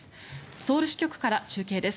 ソウル支局から中継です。